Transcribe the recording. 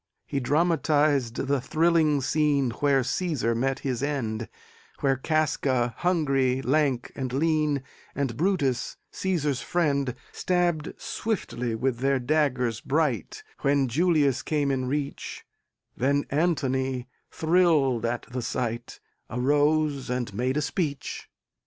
He dramatized the thrilling scene Where Cæsar met his end, Where Casca, hungry, lank and lean, And Brutus, Cæsar's friend, Stabbed swiftly with their daggers bright When Julius came in reach Then Antony, thrilled at the sight, Arose and made a speech.